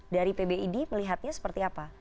dari pbid melihatnya seperti apa